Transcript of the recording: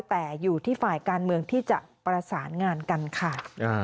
แต่อยู่ที่ฝ่ายการเมืองที่จะประสานงานกันค่ะ